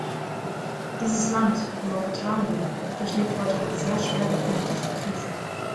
Dieses Land, Mauretanien, durchlebt heute eine sehr schwere politische Krise.